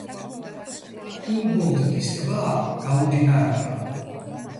ჰუმბოლდტის ტბა გაუდინარია.